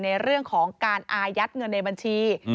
ในเรื่องของการอายัดเงินในบัญชี